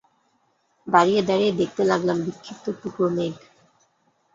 দাঁড়িয়ে দাঁড়িয়ে দেখতে লাগলাম বিক্ষিপ্ত টুকরো মেঘ।